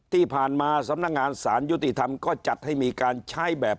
ที่ผ่านมาสำนักงานสารยุติธรรมก็จัดให้มีการใช้แบบ